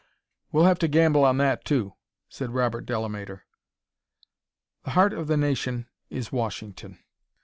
"We'll have to gamble on that, too," said Robert Delamater. The heart of the Nation is Washington.